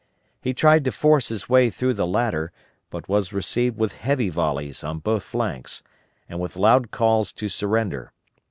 He tried to force his way through the latter, but was received with heavy volleys on both flanks, and with loud calls to surrender.